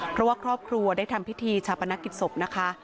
เพราะว่าครอบครัวได้ทำพิธีชาปนกิจศพนะคะ